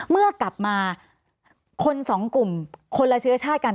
เมื่อกลับมาคนสองกลุ่มคนละเชื้อชาติกัน